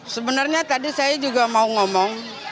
sebenarnya tadi saya juga mau ngomong